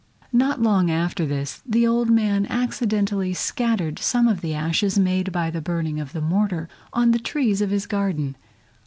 Not long after this the old man accidentally scattered some of the ashes made by the burning of the mortar on the trees of his garden.